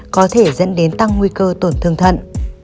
có thể dẫn đến tăng nguy cơ tổn thương thận